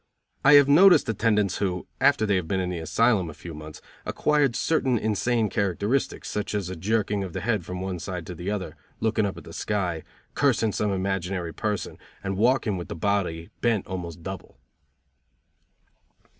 I have noticed attendants who, after they had been in the asylum a few months, acquired certain insane characteristics, such as a jerking of the head from one side to the other, looking up at the sky, cursing some imaginary person, and walking with the body bent almost double.